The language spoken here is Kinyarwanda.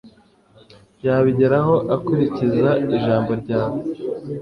Yabigeraho akurikiza ijambo ryawe